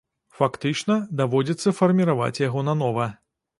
Фактычна даводзіцца фарміраваць яго нанова.